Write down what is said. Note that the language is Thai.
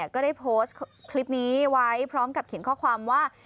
ก็ได้โพสต์คลิปนี้ไว้พร้อมกับเขียนข้อความว่า